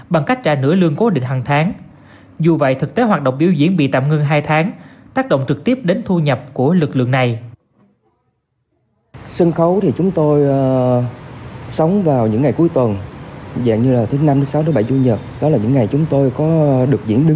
bằng cách dịch vụ dịch vụ dịch vụ dịch vụ dịch vụ